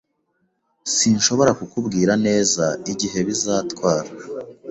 Sinshobora kukubwira neza igihe bizatwara.